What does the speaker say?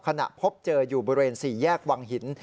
พบเจออยู่บริเวณ๔แยกวังหิน